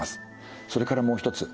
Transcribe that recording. それからもう一つ。